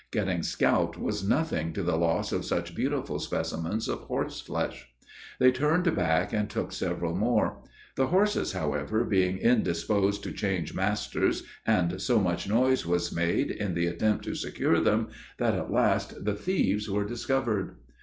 Getting scalped was nothing to the loss of such beautiful specimens of horseflesh. They turned back, and took several more. The horses, however, seemed indisposed to change masters, and so much noise was made, in the attempt to secure them, that at last the thieves were discovered.